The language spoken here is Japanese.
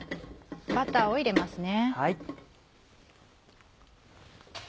バターを入れますね。